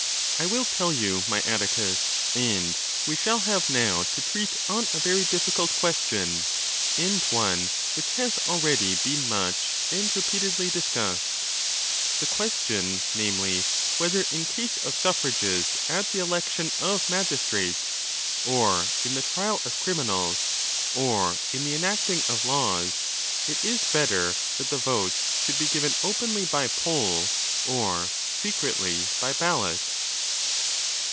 —I will tell you, my Atticus, and we shall have now to treat on a very difficult question, and one which has already been much and repeatedly discussed,—the question, namely, whether, in case of suffrages at the election of magis trates, or in the trial of criminals, or in the enacting of laws, it is better that the votes should be given openly by poll, or secretly by ballot?